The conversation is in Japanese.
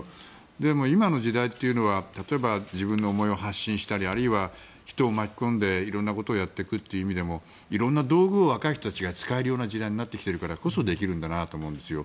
でも今の時代というのは例えば自分の思いを発信したりあるいは人を巻き込んで色んなことをやっていくという意味では色んな道具を若い人たちが使えるような時代になってきているからこそできるんだなと思うんですよ。